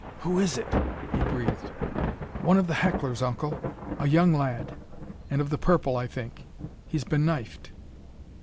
"Who is it?" he breathed. "One of the hecklers, Uncle. A young lad; and of the purple I think. He's been knifed."